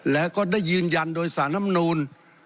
แล้วก็ได้ยืนยันโดยสารลำนูล